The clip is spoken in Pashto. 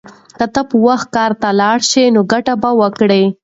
که ته په وخت کار ته لاړ شې نو ګټه به وکړې.